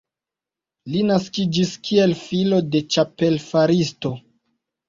Li naskiĝis kiel filo de ĉapel-faristo.